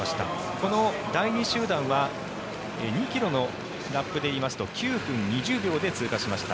この第２集団は２ｋｍのラップでいいますと９分２０秒で通過しました。